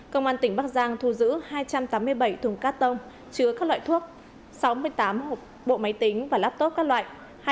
công an tỉnh bắc giang thu giữ hai trăm tám mươi bảy thùng cát tông chứa các loại thuốc sáu mươi tám hộp bộ máy tính và laptop các loại